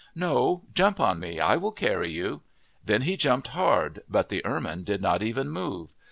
" No, jump on me. I will carry you." Then he jumped hard, but the ermine did not even move.